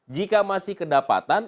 jika masih kedapatan